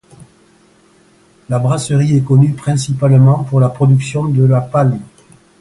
La brasserie est connue principalement pour la production de la Palm.